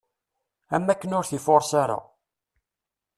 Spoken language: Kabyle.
Am wakken ur t-ifures ara.